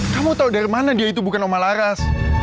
kamu tahu dari mana dia itu bukan nama laras